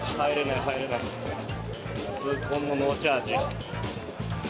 痛恨のノーチャージ。